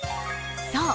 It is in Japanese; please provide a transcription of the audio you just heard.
そう！